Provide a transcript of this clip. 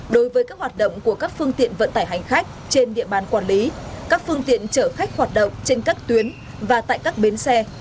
đối với các hoạt động của các phương tiện vận tải hành khách trên địa bàn quản lý các phương tiện chở khách hoạt động trên các tuyến và tại các bến xe